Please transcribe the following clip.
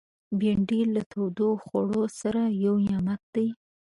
بېنډۍ له تودو خوړو سره یو نعمت دی